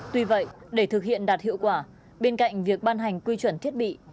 tuy vậy để thực hiện đạt hiệu quả bên cạnh việc ban hành quy chuẩn thiết bị